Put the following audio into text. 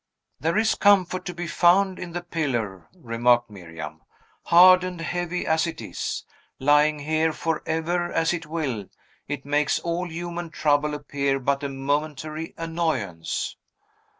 "There is comfort to be found in the pillar," remarked Miriam, "hard and heavy as it is. Lying here forever, as it will, it makes all human trouble appear but a momentary annoyance."